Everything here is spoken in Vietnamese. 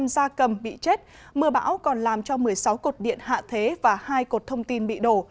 tám trăm linh gia cầm bị chết mưa bão còn làm cho một mươi sáu cột điện hạ thế và hai cột thông tin bị đổ